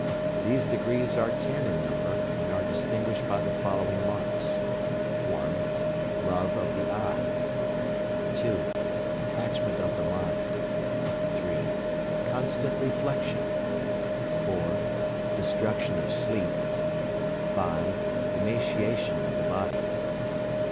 These degrees are ten in number, and are distinguished by the following marks: 1. Love of the eye. 2. Attachment of the mind. 3. Constant reflection. 4. Destruction of sleep. 5. Emaciation of the body.